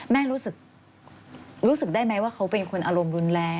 แม่รู้สึกได้ไหมว่าเขาเป็นคนอารมณ์รุนแรง